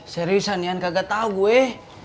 seriusan ya kagak tau gue